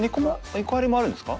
猫アレもあるんですか？